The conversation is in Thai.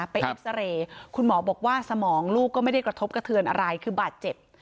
เอ็กซาเรย์คุณหมอบอกว่าสมองลูกก็ไม่ได้กระทบกระเทือนอะไรคือบาดเจ็บ